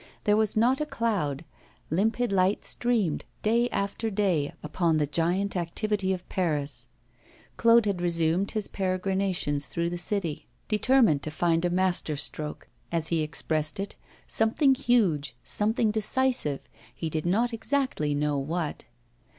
There was not a cloud; limpid light streamed day after day upon the giant activity of Paris. Claude had resumed his peregrinations through the city, determined to find a masterstroke, as he expressed it, something huge, something decisive, he did not exactly know what.